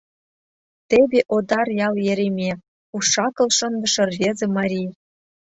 Теве Одар ял Ереме, уш-акыл шындыше рвезе марий.